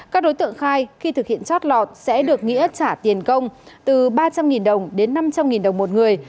các đối tượng khai khi thực hiện chót lọt sẽ được nghĩa trả tiền công từ ba trăm linh đồng đến năm trăm linh đồng một người